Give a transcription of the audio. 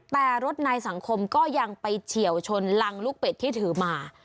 แต่รถนายสังคมก็ยังไปเฉียวชนรังลูกเป็ดที่ถือมา